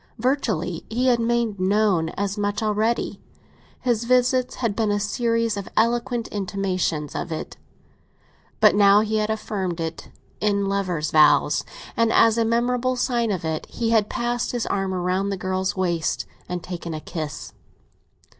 Virtually, he had made known as much already—his visits had been a series of eloquent intimations of it. But now he had affirmed it in lover's vows, and, as a memorable sign of it, he had passed his arm round the girl's waist and taken a kiss.